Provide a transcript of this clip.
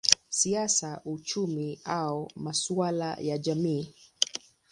siasa, uchumi au masuala ya jamii.